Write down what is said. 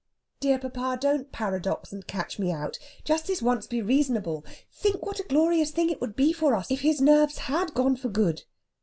"Dear papa, don't paradox and catch me out. Just this once, be reasonable! Think what a glorious thing it would be for us if his nerves had gone for good.